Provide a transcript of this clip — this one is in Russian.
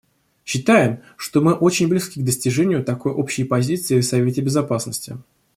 Считаем, что мы очень близки к достижению такой общей позиции в Совете Безопасности.